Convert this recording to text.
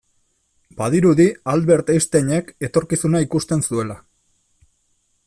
Badirudi Albert Einsteinek etorkizuna ikusten zuela.